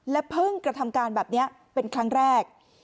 เพิ่งกระทำการแบบนี้เป็นครั้งแรก